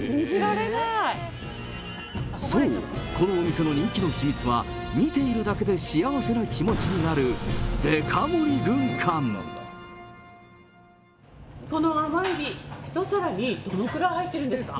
そう、このお店の人気の秘密は、見ているだけで幸せな気持ちになる、この甘エビ、１皿にどのくらい入ってるんですか？